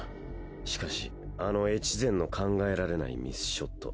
しかしあの越前の考えられないミスショット。